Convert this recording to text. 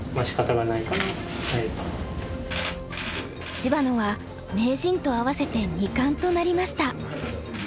芝野は名人と合わせて２冠となりました。